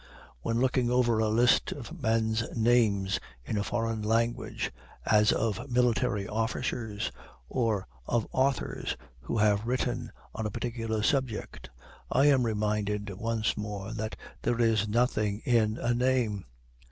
When looking over a list of men's names in a foreign language, as of military officers, or of authors who have written on a particular subject, I am reminded once more that there is nothing in a name.